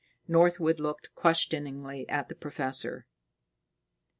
Northwood looked questioningly at the professor.